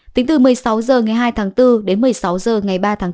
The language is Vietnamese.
tính từ một mươi sáu h ngày hai tháng bốn đến một mươi sáu h ngày ba tháng bốn